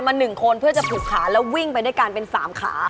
๑คนเพื่อจะผูกขาแล้ววิ่งไปด้วยกันเป็น๓ขา